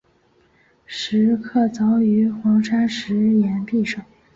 石刻凿于黄砂石崖壁上。